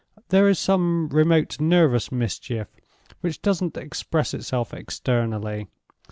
"There is some remote nervous mischief which doesn't express itself externally.